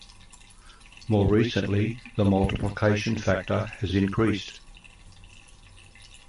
More recently, the multiplication factor has increased.